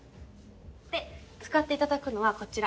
で使っていただくのはこちら。